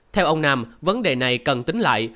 theo ông nam vấn đề này cần tính lại